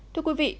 thưa quý vị